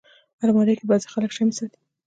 الماري کې بعضي خلک شمعې ساتي